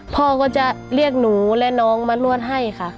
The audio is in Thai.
พ่อก็จะเรียกหนูและน้องมานวดให้ค่ะ